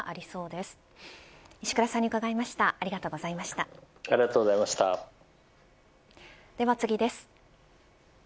では次です。